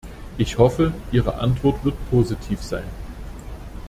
Ich hoffe, Ihre Antwort wird positiv sein.